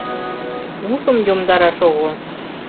Ушым йомдараш огыл...